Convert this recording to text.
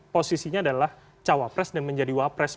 posisinya adalah cawapres dan menjadi wapres